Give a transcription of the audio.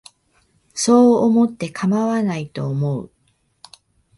そう思ってかまわないと思う